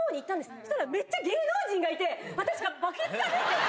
そしたらめっちゃ芸能人がいて、私、バケツかぶってた。